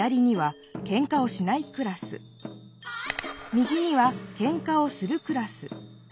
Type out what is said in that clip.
右には「ケンカをするクラス」。